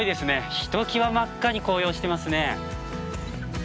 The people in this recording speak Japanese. ひときわ真っ赤に紅葉してますね。